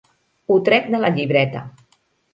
Ho trec de la llibreta.